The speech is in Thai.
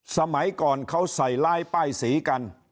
สมัยก่อนเขาใส่ร้ายป้ายสีกัน